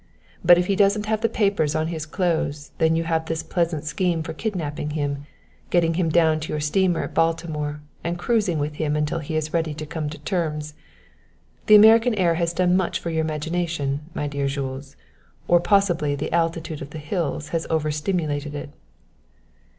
But if he hasn't the papers on his clothes then you have this pleasant scheme for kidnapping him, getting him down to your steamer at Baltimore and cruising with him until he is ready to come to terms. The American air has done much for your imagination, my dear Jules; or possibly the altitude of the hills has over stimulated it."